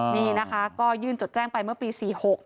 นี่นะคะก็ยื่นจดแจ้งไปเมื่อปี๔๖